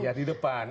iya di depan